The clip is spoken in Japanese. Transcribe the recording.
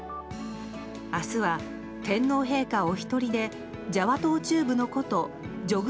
明日は天皇陛下お一人でジャワ島中部の古都ジョグ